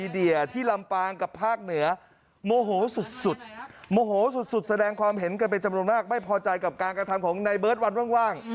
นี่ที่เห็นเป็นจำนวนมากไม่พอใจกับการกระทำของในเบิร์ดวันว่าง